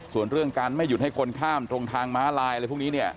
ส่วนเรื่องการไม่หยุดให้คนข้ามตรงทางม้าลายอะไรพวกนี้เนี่ย